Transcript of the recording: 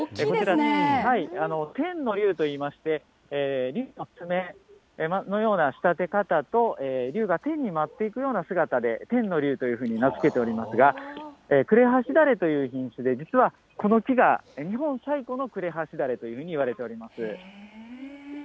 こちら、天の龍といいまして、竜の爪のような仕立て方と、竜が天に舞っていくような姿で、天の龍というふうに名付けておりますが、呉服しだれという品種で、実はこの木が、日本最古の呉服しだれというふうにいわれております。